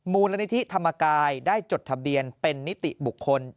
มูลนิธิธรรมกายได้จดทะเบียนเป็นนิติบุคคล